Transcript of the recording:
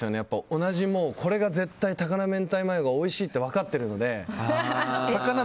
同じ、これが絶対高菜明太マヨがおいしいって分かってるので。